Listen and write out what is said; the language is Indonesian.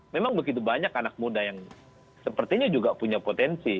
memang begitu banyak anak muda yang sepertinya juga punya potensi